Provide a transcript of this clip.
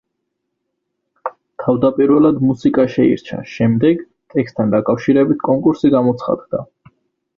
თავდაპირველად მუსიკა შეირჩა, შემდეგ, ტექსტთან დაკავშირებით კონკურსი გამოცხადდა.